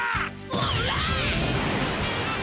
おら！